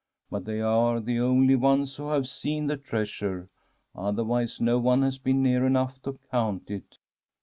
But they are the only ones who have seen the treasure, otherwise no one has been near enough to count it.